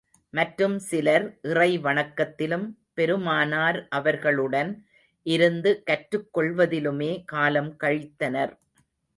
மற்றும் சிலர் இறை வணக்கத்திலும், பெருமானார் அவர்களுடன் இருந்து கற்றுக் கொள்வதிலுமே காலம் கழித்தனர்.